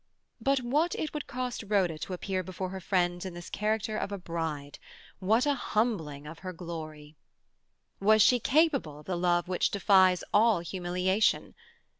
But what it would cost Rhoda to appear before her friends in the character of a bride! What a humbling of her glory! Was she capable of the love which defies all humiliation?